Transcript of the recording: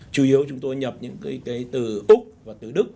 chủ yếu chúng tôi nhập những cái từ úc và từ đức